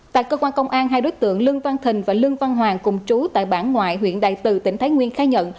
tại cơ quan công an hai đối tượng lương văn thình và lương văn hoàng cùng trú tại bản ngoại huyện đại từ tỉnh thái nguyên khai nhận